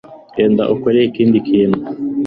genda ukore ikindi kintu